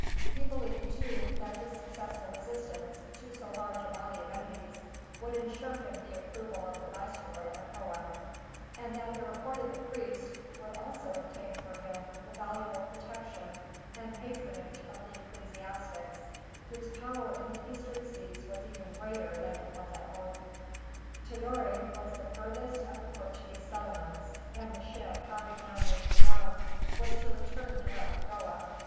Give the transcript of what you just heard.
He believed, too, that his successful resistance, to so large a body of enemies, would insure him the approval of the viceroy at Goa; and that the report of the priest would also obtain for him the valuable protection and patronage of the ecclesiastics, whose power in the eastern seas was even greater than it was at home. Tidore was the furthest of the Portuguese settlements, and the ship, having now made her round, was to return direct to Goa.